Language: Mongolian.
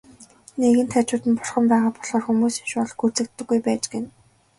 Нэгэнт хажууд нь Бурхан байгаа болохоор хүмүүсийн шунал гүйцэгддэггүй байж гэнэ.